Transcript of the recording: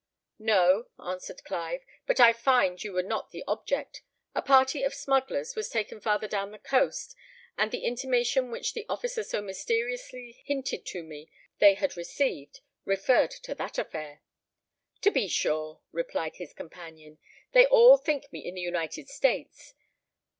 "No," answered Clive; "but I find you were not the object. A party of smugglers was taken farther down the coast, and the intimation which the officer so mysteriously hinted to me they had received, referred to that affair." "To be sure," replied his companion; "they all think me in the United States.